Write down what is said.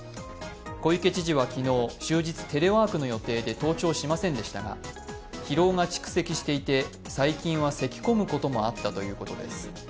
小池知事は昨日、終日、テレワークの予定で登庁しませんでしたが疲労が蓄積していて、最近は咳き込むこともあったということです。